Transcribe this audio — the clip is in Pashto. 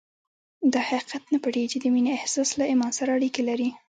دا حقیقت نه پټېږي چې د مینې احساس له ایمان سره اړیکې لري